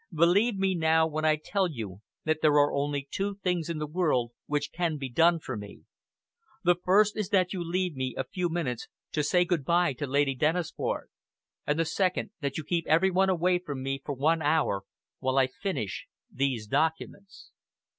Believe me now when I tell you that there are only two things in the world which can be done for me. The first is that you leave me a few minutes to say good bye to Lady Dennisford; and the second that you keep every one away from me for one hour, while I Finish these documents."